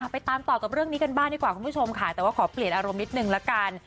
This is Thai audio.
ไปตามต่อกับเรื่องนี้กันบ้างดีกว่าคุณผู้ชมค่ะแต่ว่าขอเปลี่ยนอารมณ์นิดนึงละกัน